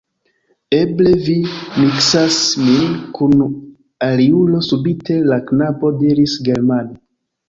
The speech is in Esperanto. Eble vi miksas min kun aliulo, subite la knabo diris germane.